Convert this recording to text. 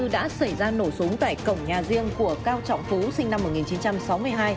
đã xảy ra nổ súng tại cổng nhà riêng của cao trọng phú sinh năm một nghìn chín trăm sáu mươi hai